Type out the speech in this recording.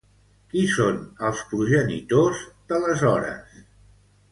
Qui són els progenitors de les Hores?